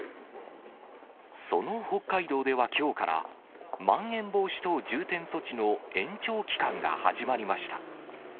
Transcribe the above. その北海道ではきょうから、まん延防止等重点措置の延長期間が始まりました。